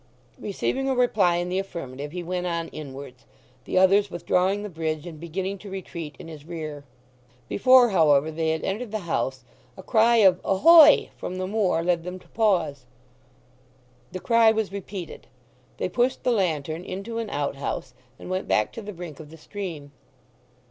Receiving a reply in the affirmative he went on inwards, the others withdrawing the bridge and beginning to retreat in his rear. Before, however, they had entered the house a cry of "Ahoy" from the moor led them to pause. The cry was repeated. They pushed the lantern into an outhouse, and went back to the brink of the stream.